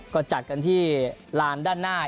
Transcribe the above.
ก็จัดกันที่ลานด้านหน้า